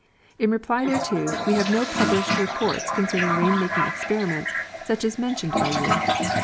In reply thereto, we have no published reports concerning rain making experiments such as mentioned by you.